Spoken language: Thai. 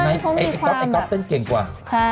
ไม่ละเต้นต้องมีความแบบแต่ไอ้ก๊อปเต้นเก่งกว่า